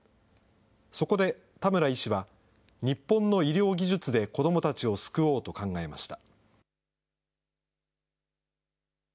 そこで田村医師は、日本の医療技術で子どもたちを救おうと考えました。